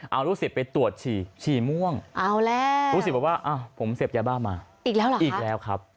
เอารูกศิษย์ไปตรวจฉี่ฉี่ม่วงรูศิษย์บอกว่าผมเสพยาบ้ามาอีกแล้วครับ